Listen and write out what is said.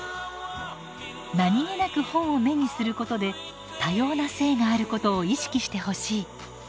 何気なく本を目にすることで多様な性があることを意識してほしい。